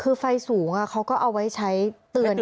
คือไฟสูงเขาก็เอาไว้ใช้เตือน